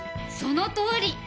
そのとおり！